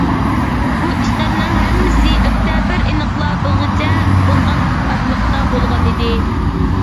بۇ ئىشلارنىڭ ھەممىسى ئۆكتەبىر ئىنقىلابىغىچە بولغان ئارىلىقتا بولغانىدى.